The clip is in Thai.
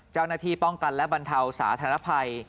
เจ้าหน้าที่ป้องกันและบรรเทาสาธารณภัย